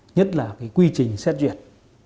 nhất là cái quy trình xét duyệt